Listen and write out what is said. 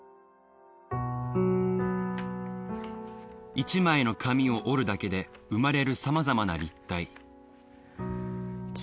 １枚の紙を折るだけで生まれるさまざまな立体。